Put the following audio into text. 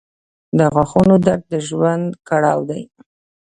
• د غاښونو درد د ژوند کړاو دی.